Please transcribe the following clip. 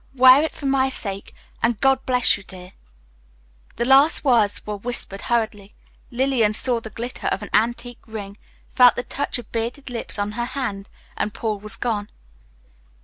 Wear it for my sake, and God bless you, dear." The last words were whispered hurriedly; Lillian saw the glitter of an antique ring, felt the touch of bearded lips on her hand, and Paul was gone.